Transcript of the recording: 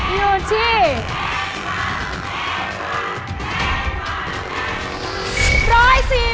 อยู่ที่